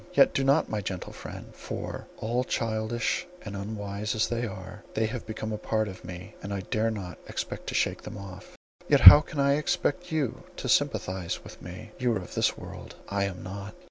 Yet do not, my gentle friend; for, all childish and unwise as they are, they have become a part of me, and I dare not expect to shake them off. "Yet how can I expect you to sympathize with me? You are of this world; I am not.